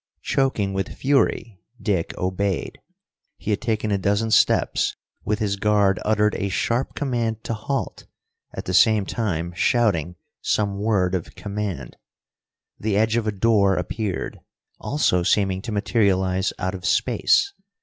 Choking with fury, Dick obeyed. He had taken a dozen steps with his guard uttered a sharp command to halt, at the same time shouting some word of command. The edge of a door appeared, also seeming to materialize out of space.